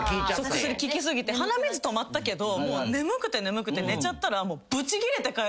薬効き過ぎて鼻水止まったけどもう眠くて眠くて寝ちゃったら。